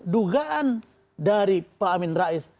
dugaan dari pak amin rais